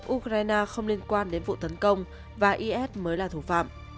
ukraine không liên quan đến vụ tấn công và is mới là thủ phạm